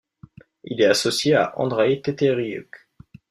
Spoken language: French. Il est associé à Andreï Teteriuk.